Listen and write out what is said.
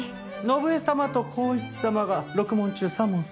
信枝様と孝一様が６問中３問正解。